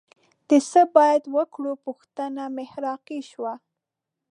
د څه باید وکړو پوښتنه محراقي شوه